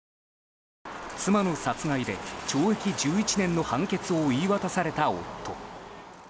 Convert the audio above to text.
妻の殺害で懲役１１年の判決を言い渡された夫。